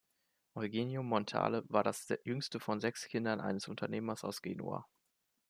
Eugenio Montale war das jüngste von sechs Kindern eines Unternehmers aus Genua.